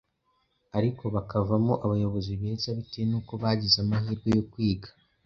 ariko bakavamo abayobozi beza bitewe n’uko bagize amahirwe yo kwiga